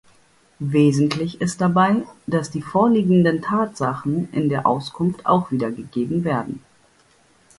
Wesentlich ist dabei, dass die vorliegenden Tatsachen in der Auskunft auch wiedergegeben werden.